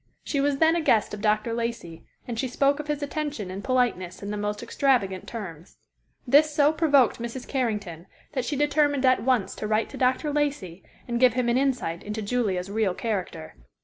She was then a guest of Dr. Lacey, and she spoke of his attention and politeness in the most extravagant terms. This so provoked Mrs. Carrington that she determined at once to write to Dr. Lacey, and give him an insight into Julia's real character.